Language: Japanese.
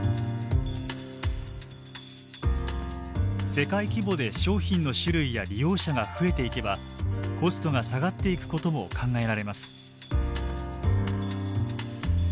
世界規模で商品の種類や利用者が増えていけばコストが下がっていくことも考えられます。